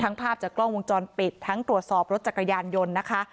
ภาพจากกล้องวงจรปิดทั้งตรวจสอบรถจักรยานยนต์นะคะ